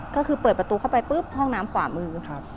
ก็คือเปิดประตูเข้าไปปุ๊บห้องน้ำขวามือ